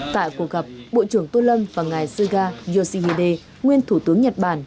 tại cuộc gặp bộ trưởng tô lâm và ngài suga yoshihide nguyên thủ tướng nhật bản